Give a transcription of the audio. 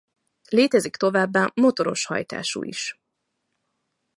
Létezik továbbá motoros hajtású is.